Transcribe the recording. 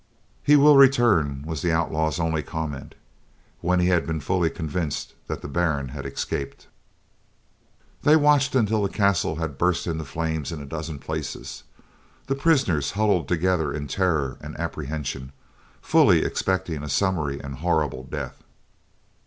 "He will return," was the outlaw's only comment, when he had been fully convinced that the Baron had escaped. They watched until the castle had burst into flames in a dozen places, the prisoners huddled together in terror and apprehension, fully expecting a summary and horrible death.